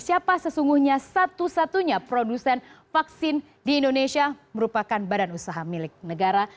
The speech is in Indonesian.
siapa sesungguhnya satu satunya produsen vaksin di indonesia merupakan badan usaha milik negara